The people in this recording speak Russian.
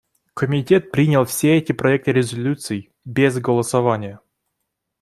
Комитет принял все эти проекты резолюций без голосования.